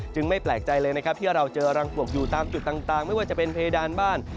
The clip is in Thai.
ไม่แปลกใจเลยนะครับที่เราเจอรังปวกอยู่ตามจุดต่างไม่ว่าจะเป็นเพดานบ้าน